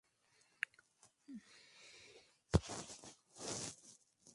La tasa evidenció que era realizado más por mujeres solteras que casadas.